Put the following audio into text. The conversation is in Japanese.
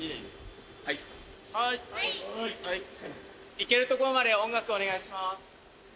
・いけるところまで音楽お願いします。